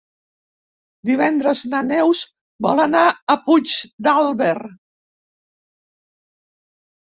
Divendres na Neus vol anar a Puigdàlber.